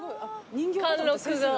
貫禄が。